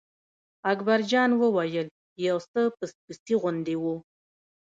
اکبر جان وویل: یو څه پس پسي غوندې و.